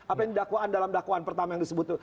apa yang didakwaan dalam dakwaan pertama yang disebut